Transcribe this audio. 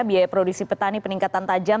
biaya produksi petani peningkatan tajam